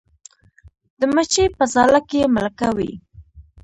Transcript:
د مچۍ په ځاله کې ملکه وي